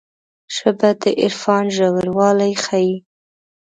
ژبه د عرفان ژوروالی ښيي